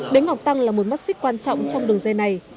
bến ngọc tăng là một mắt xích quan trọng trong đường dây này